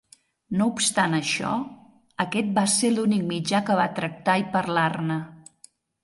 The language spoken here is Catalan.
No obstant això, aquest va ser l'únic mitjà que va tractar i parlar-ne.